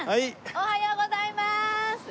おはようございます。